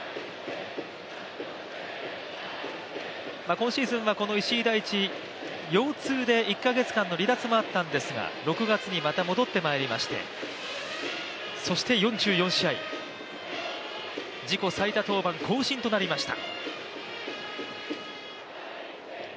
今シーズンはこの石井大智、腰痛で１か月間の離脱もあったんですが６月にまた戻ってまいりましてそして４４試合、自己最多登板更新となりました。